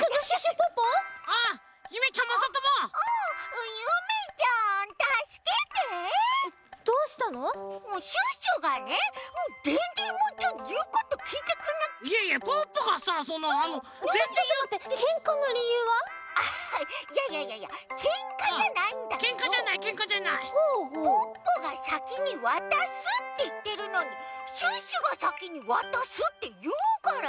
ポッポがさきにわたすっていってるのにシュッシュがさきにわたすっていうから！